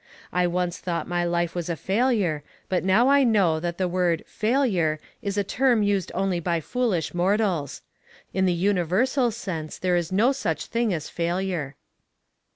I once thought my life was a failure, but now I know that the word 'failure' is a term used only by foolish mortals. In the universal sense there is no such thing as failure."